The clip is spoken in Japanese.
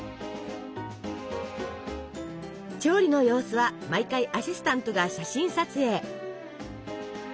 調理の様子は毎回アシスタントが写真撮影。